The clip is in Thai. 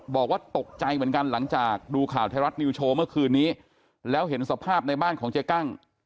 บอกว่าตกใจเหมือนกันหลังจากดูข่าวไทยรัฐนิวโชว์เมื่อคืนนี้แล้วเห็นสภาพในบ้านของเจ๊กั้ง